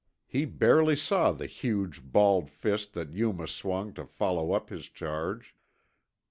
He barely saw the huge, balled fist that Yuma swung to follow up his charge.